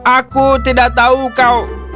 aku tidak tahu kau